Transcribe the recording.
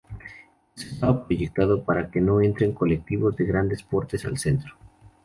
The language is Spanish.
Esto estaba proyectado para que no entren colectivos de grandes portes al centro.